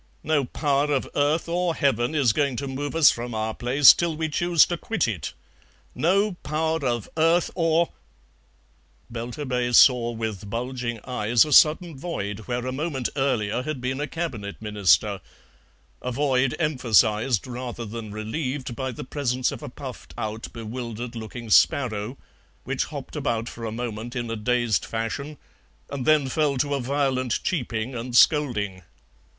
No power of earth or Heaven is going to move us from our place till we choose to quit it. No power of earth or " Belturbet saw, with bulging eyes, a sudden void where a moment earlier had been a Cabinet Minister; a void emphasized rather than relieved by the presence of a puffed out bewildered looking sparrow, which hopped about for a moment in a dazed fashion and then fell to a violent cheeping and scolding.